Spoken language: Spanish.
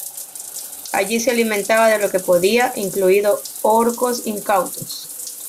Allí se alimentaba de lo que podía, incluidos orcos incautos.